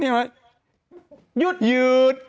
นี่ไหมยืดยืด